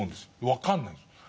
分かんないんですよ。